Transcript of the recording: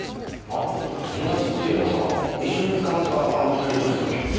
あ友達っていえばさ一緒に捕まったあの２人どうしたっけ？